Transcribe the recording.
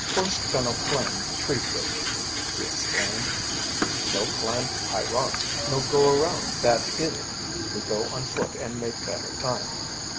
"Horse canno' climb tree bridge," he explained. "No climb high rock, no go around bad hill. We go on foot an' make better time."